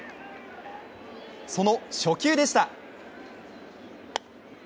その初球でした。